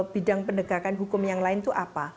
bidang penegakan hukum yang lain itu apa